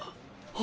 あ。